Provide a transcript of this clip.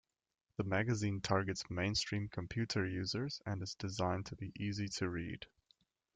The magazine targets mainstream computer users and is designed to be easy to read.